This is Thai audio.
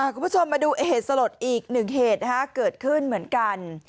คุณผู้ชมมาดูเหตุสลดอีกหนึ่งเหตุเกิดขึ้นเหมือนกัน